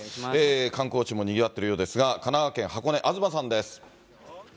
観光地もにぎわっているようですが、神奈川県箱根、東さんです。